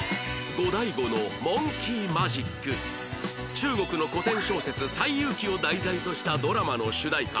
中国の古典小説『西遊記』を題材としたドラマの主題歌